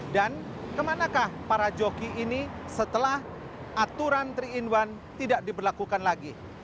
dan kemanakah para joki ini setelah aturan tiga in satu tidak diberlakukan lagi